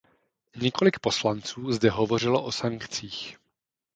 Několik poslanců zde hovořilo o sankcích.